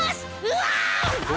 うわ！